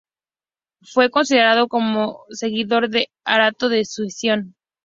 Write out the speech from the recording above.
C.. Fue considerado como seguidor de Arato de Sición.